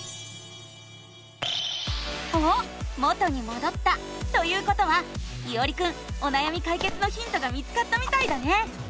おっ元にもどったということはいおりくんおなやみかいけつのヒントが見つかったみたいだね！